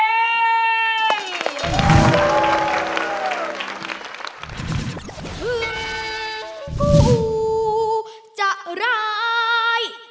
ถึงผู้จะร้าย